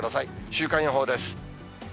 週間予報です。